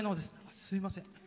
すいません。